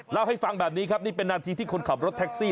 เล่าให้ฟังแบบนี้ครับนี่เป็นนาทีที่คนขับรถแท็กซี่